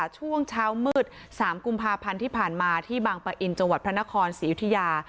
ช่วงเช้ามืด๓กุมภาพันธ์ที่ผ่านมาที่บางปะอินจังหวัดพระนครศรีอยุธยา